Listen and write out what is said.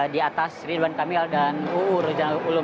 di atas ridwan kamil dan uu